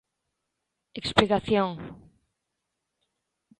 Explicación...